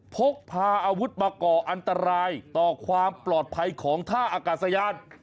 พกพาอาวุธมาก่ออันตรายต่อความปลอดภัยของท่าอากาศยาน